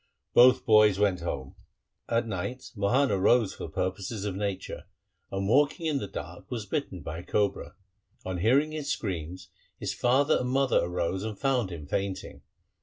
Both boys went home. At night Mohan arose for purposes of nature, and walking in the dark was bitten by a cobra. On hearing his screams his father and mother arose and found him fainting.